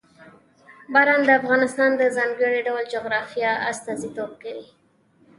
باران د افغانستان د ځانګړي ډول جغرافیه استازیتوب کوي.